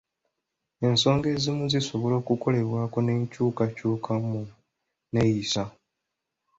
Ensonga ezimu zisobola okukolebwako n'enkyukakyuka mu nneeyisa.